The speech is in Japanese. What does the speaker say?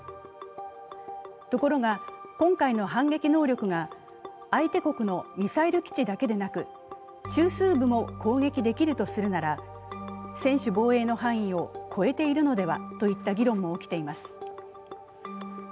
ところが、今回の反撃能力が相手国のミサイル基地だけでなく中枢部も攻撃できるとするなら専守防衛の範囲を超えているのではといった議論も起きています。